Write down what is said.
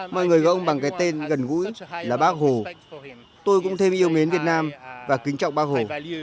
mọi người gọi ông bằng cái tên gần gũi là bác hồ tôi cũng thêm yêu mến việt nam và kính trọng bác hồ